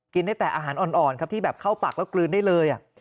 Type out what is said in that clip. ได้แต่อาหารอ่อนครับที่แบบเข้าปากแล้วกลืนได้เลย